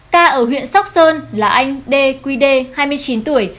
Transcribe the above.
ca ở huyện sóc sơn là anh dqd hai mươi chín tuổi